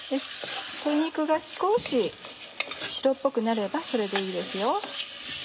鶏肉が少し白っぽくなればそれでいいですよ。